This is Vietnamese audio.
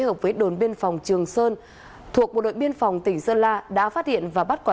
hợp với đồn biên phòng trường sơn thuộc bộ đội biên phòng tỉnh sơn la đã phát hiện và bắt quả